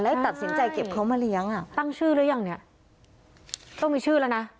แล้วตัดสินใจเก็บเขามาเลี้ยงอ่ะตั้งชื่อหรือยังเนี่ยต้องมีชื่อแล้วนะ